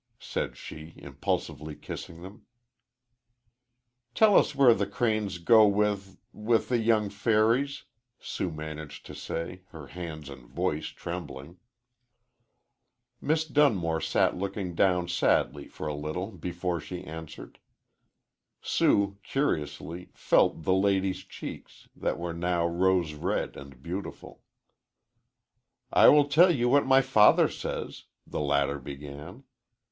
said she, impulsively kissing them. "Tell us where the cranes go with with the young fairies," Sue managed to say, her hands and voice trembling. Miss Dunmore sat looking down sadly for a little before she answered. Sue, curiously, felt "the lady's" cheeks that were now rose red and beautiful. "I will tell you what my father says," the latter began.